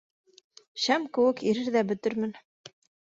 Шәм кеүек ирер ҙә бөтөрмөн.